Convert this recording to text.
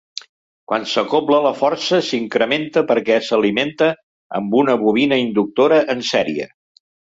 Quan s'acobla la força s'incrementa perquè s'alimenta amb una bobina inductora en sèrie.